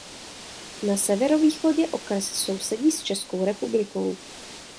Na severovýchodě okres sousedí s Českou republikou.